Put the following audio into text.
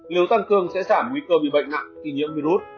nếu tăng cường sẽ giảm nguy cơ bị bệnh nặng khi nhiễm virus